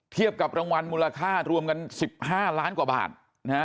เทียบกับรางวัลมูลค่ารวมกัน๑๕ล้านกว่าบาทนะฮะ